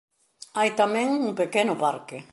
Hai tamén un pequeno parque.